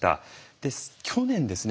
で去年ですね